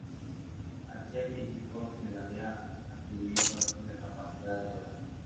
Al ser mítico se le habría atribuido así la capacidad de volar.